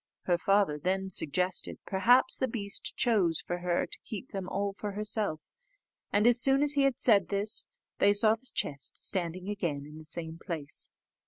Her father then suggested, perhaps the beast chose for her to keep them all for herself: and as soon as he had said this, they saw the chest standing again in the same place.